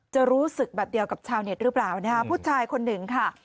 จะรู้สึกแบบเดียวกับชาวเน็ตหรือเปล่านะคะผู้ชายคนหนึ่งค่ะ